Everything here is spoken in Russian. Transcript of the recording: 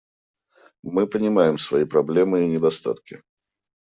Мы понимаем свои проблемы и недостатки.